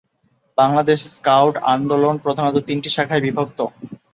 Bangladesh scout আন্দোলন প্রধানত তিনটি শাখায় বিভক্ত।